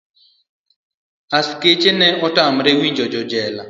Askeche ne otamre winjo jojela.